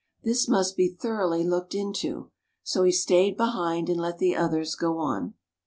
" This must be thoroughly looked into." So he stayed behind and let the others go on.